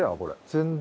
全然。